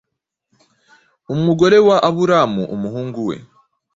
umugore wa Aburamu umuhungu we,